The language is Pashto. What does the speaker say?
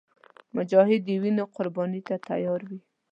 مجاهد د وینو قرباني ته تیار وي.